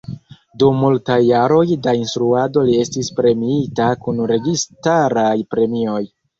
Dum multaj jaroj da instruado li estis premiita kun registaraj premioj.